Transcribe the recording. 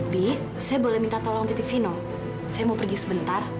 bi saya boleh minta tolong titino saya mau pergi sebentar